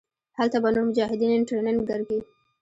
هلته به نور مجاهدين ټرېننگ درکي.